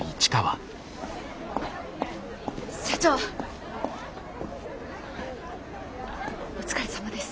社長お疲れさまです。